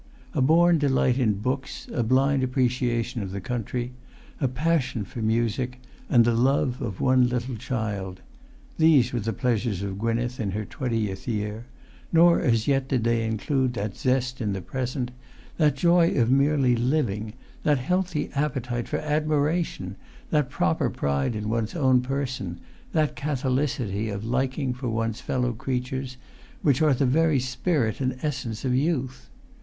A born delight in books, a blind appreciation of the country, a passion for music, and the love of one little child; these were the pleasures of Gwynneth in her twentieth year; nor as yet did they include that zest in the present, that joy of merely living, that healthy appetite for admiration, that proper pride in one's own person, that catholicity of liking for one's fellow creatures, which are of the very spirit and essence of youth.